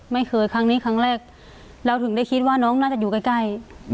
ครั้งนี้ครั้งแรกเราถึงได้คิดว่าน้องน่าจะอยู่ใกล้